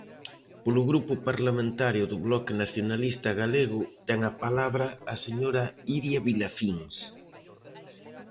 Polo Grupo Parlamentario do Bloque Nacionalista Galego, ten a palabra a señora Iria Vilafíns.